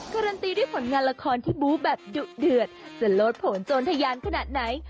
การันตีด้วยผลงานละครที่บู้แบบดุเดือดจะโลดผลโจรทะยานขนาดไหน